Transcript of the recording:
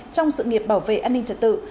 trong sự nghiệp bảo vệ an ninh trật tự